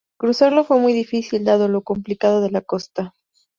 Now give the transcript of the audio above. Cruzarlo fue muy difícil, dado lo complicado de la costa.